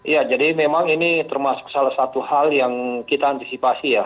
ya jadi memang ini termasuk salah satu hal yang kita antisipasi ya